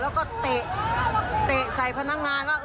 แล้วก็เตะใส่พนักงานว่า